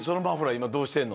いまどうしてんの？